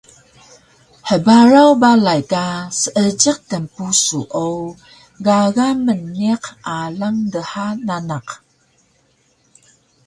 Hbaraw balay ka seejiq tnpusu o gaga mniq alang dha nanaq